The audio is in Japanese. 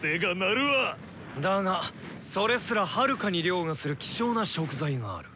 だがそれすらはるかにりょうがする希少な食材がある。